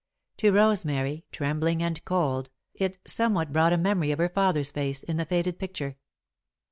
To Rosemary, trembling and cold, it someway brought a memory of her father's face, in the faded picture.